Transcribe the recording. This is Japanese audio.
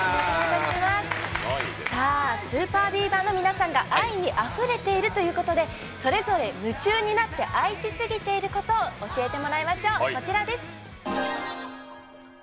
ＳＵＰＥＲＢＥＡＶＥＲの皆さんが愛にあふれているということでそれぞれ夢中になって愛しすぎていることを教えてもらいましょう。